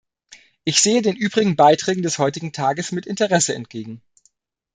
Ich sehe den übrigen Beiträgen des heutigen Tages mit Interesse entgegen.